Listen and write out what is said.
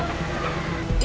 đừng có đánh bệnh